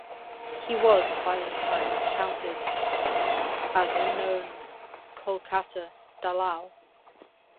He was, by this time, counted as a known Kolkata "dalal".